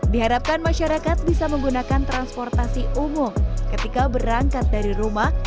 diharapkan masyarakat bisa menggunakan transportasi umum ketika berangkat dari rumah